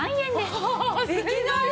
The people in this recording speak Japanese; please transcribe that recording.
すごい！